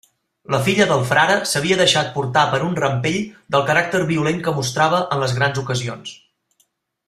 La filla del Frare s'havia deixat portar per un rampell del caràcter violent que mostrava en les grans ocasions.